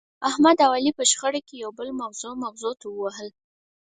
احمد او علي په شخړه کې یو بل مغزو مغزو ته ووهل.